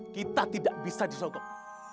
kita tidak bisa disokong